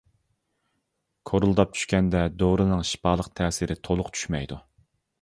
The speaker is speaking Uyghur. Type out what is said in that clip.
كورۇلداپ چۈشكەندە دورىنىڭ شىپالىق تەسىرى تۇلۇق چۈشمەيدۇ.